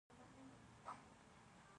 هغه د خپل برخلیک او بدن څښتن نه وي.